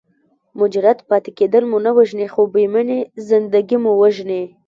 مجرد پاتې کېدل مو نه وژني خو بې مینې زندګي مو وژني.